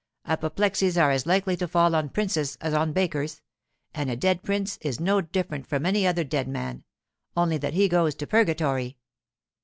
Apoplexies are as likely to fall on princes as on bakers, and a dead prince is no different from any other dead man—only that he goes to purgatory.